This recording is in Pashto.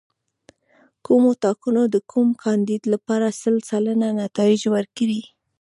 کومو ټاکنو د کوم کاندید لپاره سل سلنه نتایج ورکړي.